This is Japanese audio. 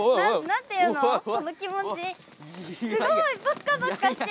何ていうのこの気持ち。